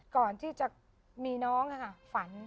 ก่อนที่จะมีน้องฝัน